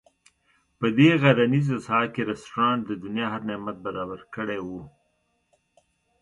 په دې غرنیزه ساحه کې رسټورانټ د دنیا هر نعمت برابر کړی وو.